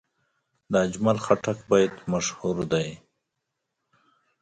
د اجمل خټک بیت مشهور دی.